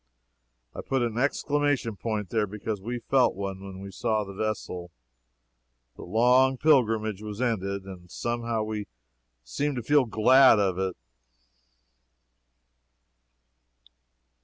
I put an exclamation point there because we felt one when we saw the vessel. The long pilgrimage was ended, and somehow we seemed to feel glad of it.